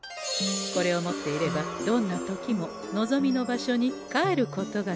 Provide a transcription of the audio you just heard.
これを持っていればどんな時も望みの場所に帰ることができるんでござんす。